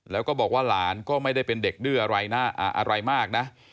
แล้วก็บอกว่าหลานก็ไม่ได้เป็นเด็กดื้ออะไรมากนะ